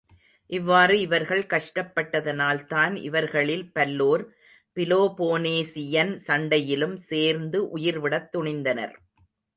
இவ்வாறு இவர்கள் கஷ்டப்பட்டதனால்தான் இவர்களில்பல்லோர் பிலோபோனேசியன் சண்டையிலும் சேர்ந்து உயிர்விடத் துணிந்தனர்.